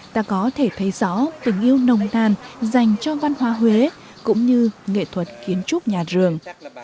ta có thể thấy rõ tình yêu nồng nàn dành cho văn hóa huế cũng như nghệ thuật kiến trúc nhà rường